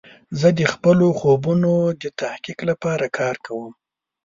زه د خپلو خوبونو د تحقق لپاره کار کوم.